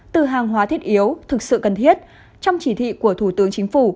từ hàng hóa thiết yếu thực sự cần thiết trong chỉ thị của thủ tướng chính phủ